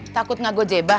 takut gak gue jebah